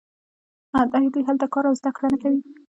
آیا دوی هلته کار او زده کړه نه کوي؟